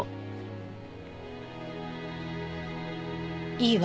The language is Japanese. いいわ。